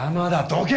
どけ！